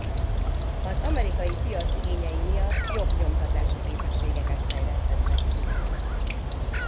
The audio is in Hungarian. Az amerikai piac igényei miatt jobb nyomtatási képességeket fejlesztettek ki.